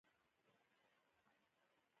او دا د پوهې برکت دی